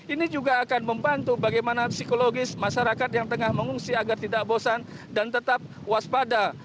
ini juga akan membantu bagaimana psikologis masyarakat yang tengah mengungsi agar tidak bosan dan tetap waspada